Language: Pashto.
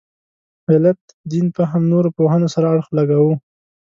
علت دین فهم نورو پوهنو سره اړخ لګاوه.